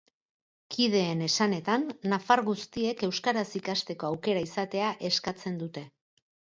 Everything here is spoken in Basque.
Kideen esanetan, nafar guztiek euskaraz ikasteko aukera izatea eskatzen dute.